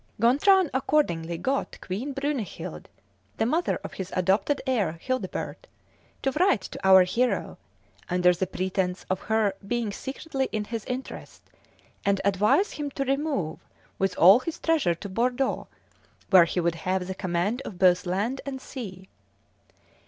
Gontran accordingly got Queen Brunechild, the mother of his adopted heir, Childebert, to write to our hero, under the pretence of her being secretly in his interest, and advise him to remove with all his treasure to Bordeaux, where he would have the command of both land and sea.